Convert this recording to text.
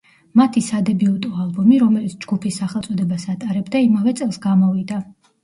მათი სადებიუტო ალბომი, რომელიც ჯგუფის სახელწოდებას ატარებდა, იმავე წელს გამოვიდა.